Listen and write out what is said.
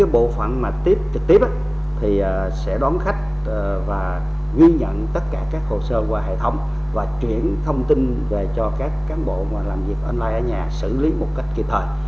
bảo hiểm xã hội tỉnh đồng nai sẽ đón khách và ghi nhận tất cả các hồ sơ qua hệ thống và chuyển thông tin về cho các cán bộ làm việc online ở nhà xử lý một cách kịp thời